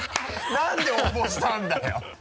なんで応募したんだよ！